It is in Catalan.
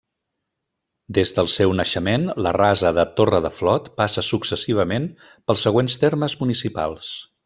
Des del seu naixement, la Rasa de Torredeflot passa successivament pels següents termes municipals.